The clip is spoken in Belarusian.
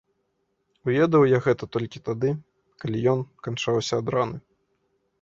Уведаў гэта я толькі тады, калі ён канчаўся ад раны.